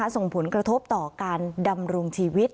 ส่งผลกระทบต่อการดำรงชีวิต